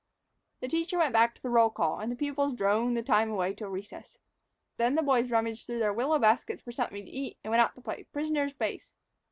The teacher went back to the roll call, and the pupils droned the time away till recess. Then the boys rummaged through their willow baskets for something to eat and went out to play "prisoner's base."